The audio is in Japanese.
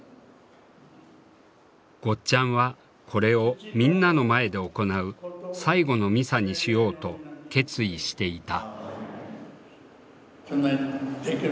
ゴッちゃんはこれをみんなの前で行う最後のミサにしようと決意していた。